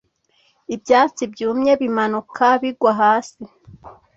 ibyatsi byumye bimanuka bigwa hasi